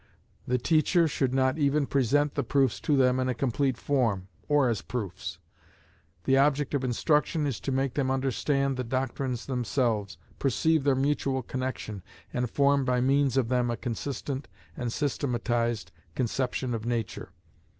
The teacher should not even present the proofs to them in a complete form, or as proofs. The object of instruction is to make them understand the doctrines themselves, perceive their mutual connexion, and form by means of them a consistent and systematized conception of nature.